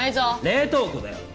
冷凍庫だよ！